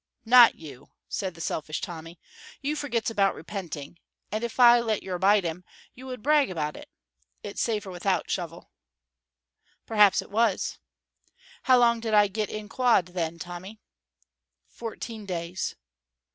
"Not you," said selfish Tommy. "You forgets about repenting, and if I let yer bite him, you would brag about it. It's safer without, Shovel." Perhaps it was. "How long did I get in quod, then, Tommy?" "Fourteen days."